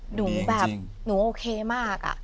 หนูแบบหนูโอเคมากอะ